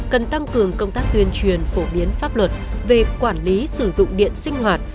cần tăng cường công tác tuyên truyền phổ biến pháp luật về quản lý sử dụng điện sinh hoạt